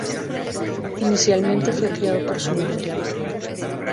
Inicialmente fue criado por su madre.